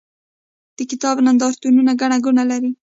د کتاب نندارتونونه ګڼه ګوڼه لري.